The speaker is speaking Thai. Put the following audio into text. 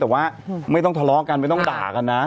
แต่ว่าไม่ต้องทะเลาะกันไม่ต้องด่ากันนะ